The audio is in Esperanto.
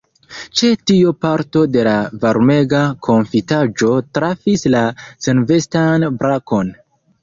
Ĉe tio parto de la varmega konfitaĵo trafis la senvestan brakon.